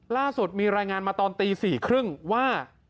ล่าสุดมีรายงานมาตอนตี๔๓๐ว่า